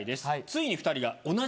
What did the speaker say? ついに２人が。